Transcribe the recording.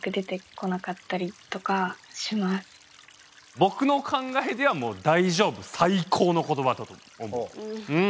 僕の考えではもう「大丈夫」最高の言葉だと思ううん。